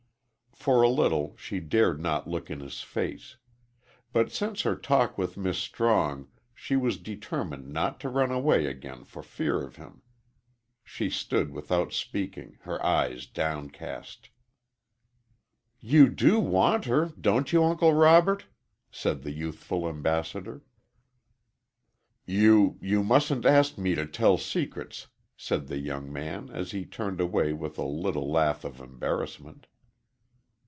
For a little she dared not look in his face. But since her talk with Miss Strong she was determined not to run away again for fear of him. She stood without speaking, her eyes downcast. "You do want her don't you, Uncle Robert?" said the youthful ambassador. "You you mustn't ask me to tell secrets," said the young man, as he turned away with a little laugh of embarrassment.